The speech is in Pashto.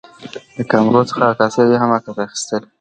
د کامرو څخه عکاسي او یا هم عکس اخیستل